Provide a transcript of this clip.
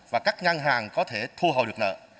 và các ngân hàng có thể thu hồi được nợ